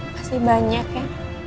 pasti banyak ya